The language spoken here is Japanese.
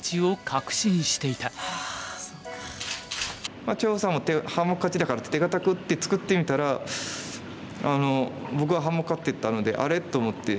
まあ張栩さんも半目勝ちだからって手堅く打って作ってみたら僕が半目勝ってたので「あれ？」と思って。